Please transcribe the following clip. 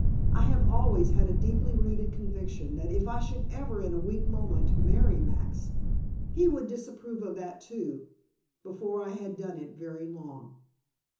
I have always had a deeply rooted conviction that if I should ever in a weak moment marry Max, he would disapprove of that, too, before I had done it very long.